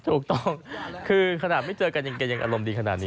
ถูกต้องคือขนาดไม่เจอกันยังแกยังอารมณ์ดีขนาดนี้